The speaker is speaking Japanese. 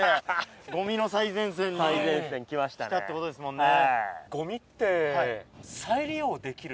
ゴミの最前線に来たって事ですもんね。